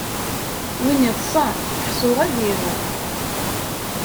Win iḍṣan ḥṣu ad iru.